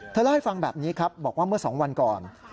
เล่าให้ฟังแบบนี้ครับบอกว่าเมื่อ๒วันก่อน